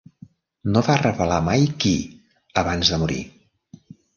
No va revelar mai qui abans de morir.